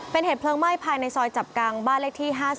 เป็นเหตุเพลิงไหม้ภายในซอยจับกังบ้านเลขที่๕๐